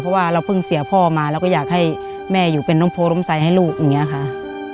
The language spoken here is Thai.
เพราะว่าเราเพิ่งเสียพ่อมาเราก็อยากให้แม่อยู่เป็นร่มโพล้มใสให้ลูกอย่างนี้ค่ะ